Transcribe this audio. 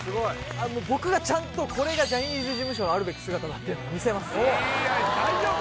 僕がちゃんとこれがジャニーズ事務所のあるべき姿だっていうの見せますいいね大丈夫？